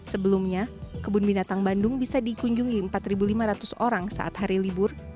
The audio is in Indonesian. sebelumnya kebun binatang bandung bisa dikunjungi empat lima ratus orang saat hari libur